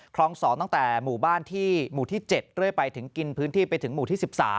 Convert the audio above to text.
คลอง๒ตั้งแต่หมู่บ้านที่หมู่ที่๗เรื่อยไปถึงกินพื้นที่ไปถึงหมู่ที่๑๓